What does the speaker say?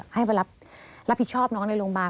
ให้มารับผิดชอบน้องในโรงพยาบาล